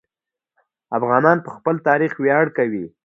افغانان په خپل تاریخ ویاړ کوي.